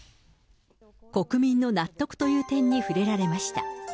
国民の納得という点に触れられました。